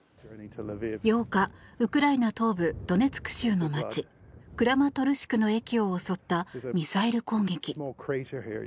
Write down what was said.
８日、ウクライナ東部ドネツク州の街クラマトルシクの駅を襲ったミサイル攻撃。